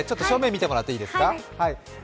正面見てもらっていいですか？